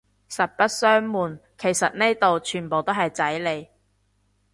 實不相暪，其實呢度全部都係仔嚟